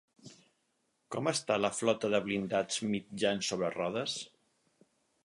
Com està la flota de blindats mitjans sobre rodes?